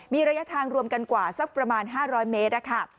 มีระยะทางรวมกันกว่าสักประมาณ๕๐๐เมตรนะคะ